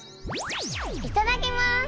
いただきます！